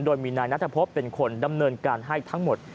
โดยมีนายนัทพบเป็นคนดำเนินการให้ทั้งหมด